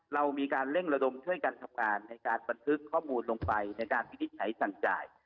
เรามีการเร่งระดมเท่ากันกรรมการในการบันทึกข้อมูลลงไปในการพิธีใช้สั่งจ่าย